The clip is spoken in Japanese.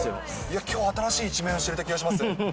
きょう、新しい一面を知れた気がします。